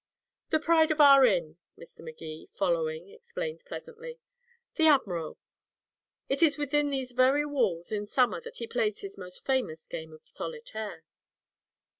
"The pride of our inn," Mr. Magee, following, explained pleasantly, "the admiral. It is within these very walls in summer that he plays his famous game of solitaire."